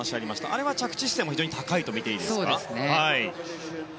あれは着地姿勢も非常に高いとみていいですか。